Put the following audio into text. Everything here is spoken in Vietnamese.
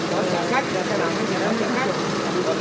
đón chạm khách đón chạm khách